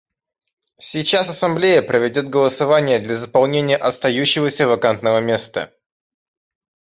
Сейчас Ассамблея проведет голосование для заполнения остающегося вакантного места.